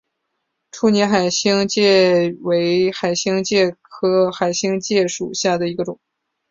处女海星介为海星介科海星介属下的一个种。